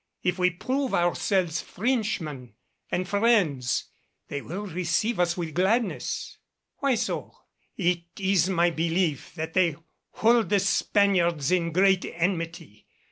If we prove ourselves Frenchmen and friends, they will receive us with gladness." "Why so?" "It is my belief that they hold the Spaniards in great enmity.